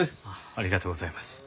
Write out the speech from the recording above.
ありがとうございます。